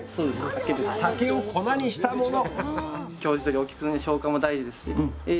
竹を粉にしたもの！